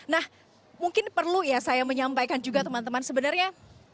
nah mungkin perlu ya saya menyampaikan juga teman teman sebenarnya